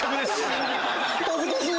恥ずかしい。